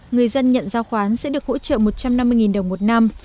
người dân nhận giao khoán sẽ được hỗ trợ một trăm năm mươi đồng một năm